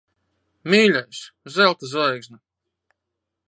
Mīļais! Zelta zvaigzne.